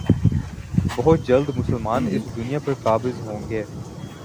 بہت جلد مسلمان اس دنیا پر قابض ہوں گے